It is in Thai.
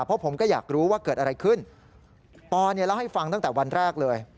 เพราะผมก็อยากรู้ว่าเกิดอะไรขึ้นปอเนี่ยเล่าให้ฟังตั้งแต่วันแรกเลย